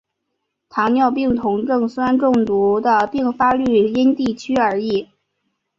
糖尿病酮症酸中毒的病发率因地区而异。